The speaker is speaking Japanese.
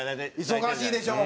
忙しいでしょ？